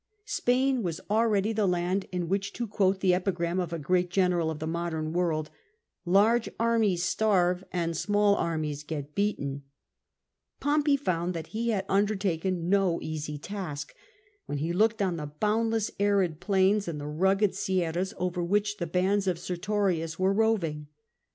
Spain was already the land in which, to quote the epigram of a great general of the modern world, large armies starve and small armies get beaten/' l\)mpey found that he had undertaken no easy task, when he looked on the boundless arid plains and the ruggiid sierras over which the bands of Sertorius were roving.